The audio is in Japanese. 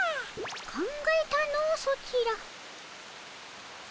考えたのソチら。